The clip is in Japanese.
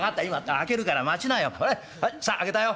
ほれさあ開けたよ。